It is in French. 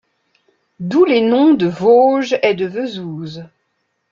D'où les noms de Vosges et de Vezouze.